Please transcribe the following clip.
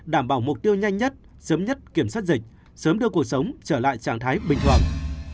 đảm bảo mục tiêu nhanh nhất sớm nhất kiểm soát dịch sớm đưa cuộc sống trở lại trạng thái bình thường